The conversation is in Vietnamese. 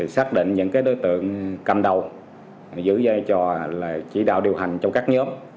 xác định những đối tượng cầm đầu giữ dây cho chỉ đạo điều hành cho các nhóm